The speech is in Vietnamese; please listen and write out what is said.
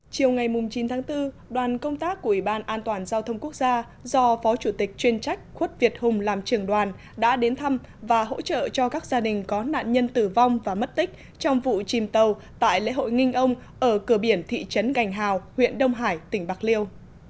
chiều ngày chín tháng bốn đoàn công tác của ủy ban an toàn giao thông quốc gia do phó chủ tịch chuyên trách khuất việt hùng làm trưởng đoàn đã đến thăm và hỗ trợ cho các gia đình có nạn nhân tử vong và mất tích trong vụ chìm tàu tại lễ hội nginh ông ở cửa biển thị trấn gành hào huyện đông hải tỉnh bạc liêu